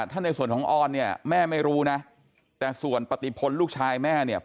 ถ้าในส่วนของออนเนี่ยแม่ไม่รู้นะแต่ส่วนปฏิพลลูกชายแม่เนี่ย